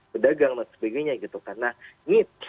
sebagainya gitu kan nah ini